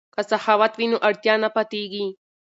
که سخاوت وي نو اړتیا نه پاتیږي.